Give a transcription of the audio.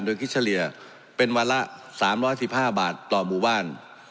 โดยคิดเฉลี่ยเป็นวันละ๓๑๕บาทต่อหมู่บ้าน